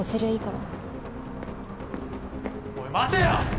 おい待てよ！